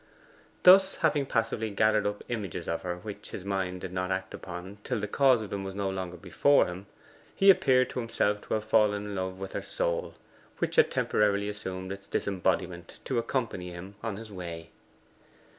Thus, having passively gathered up images of her which his mind did not act upon till the cause of them was no longer before him, he appeared to himself to have fallen in love with her soul, which had temporarily assumed its disembodiment to accompany him on his way.